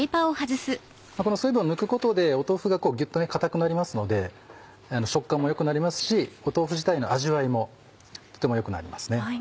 この水分を抜くことで豆腐がギュっと硬くなりますので食感も良くなりますし豆腐自体の味わいもとても良くなりますね。